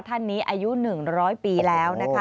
ทันนี้อายุ๑๐๐ปีแล้ว